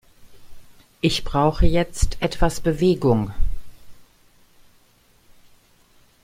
Ich brauche jetzt etwas Bewegung.